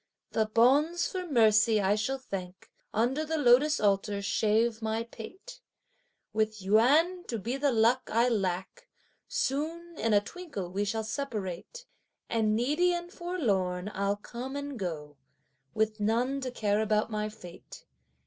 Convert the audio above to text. The bonze for mercy I shall thank; under the lotus altar shave my pate; With Yüan to be the luck I lack; soon in a twinkle we shall separate, And needy and forlorn I'll come and go, with none to care about my fate.